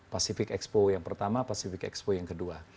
pasifik expo yang pertama pasifik expo yang kedua